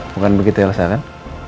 bukan begitu elsa kan